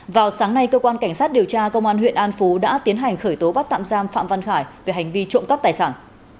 vào sáng nay cơ quan cảnh sát điều tra công an huyện an phú đã tiến hành khởi tố bắt tạm giam phạm văn khải về hành vi trộm cắp tài sản